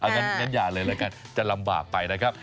งั้นอย่าเลยละกันจะลำบากไปนะครับ